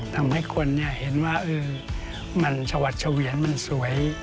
ทำให้คนเห็นว่ามันชวัดเฉวียนมันสวย